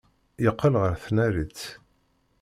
Yeqqel ɣer tnarit.